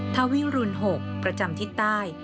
เท้าวิรุณหกประจำทิศใต้